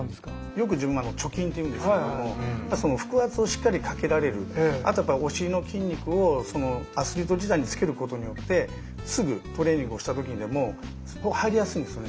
よく自分は「貯金」っていうんですけども腹圧をしっかりかけられるあとやっぱりお尻の筋肉をアスリート時代につけることによってすぐトレーニングをした時でも入りやすいんですよね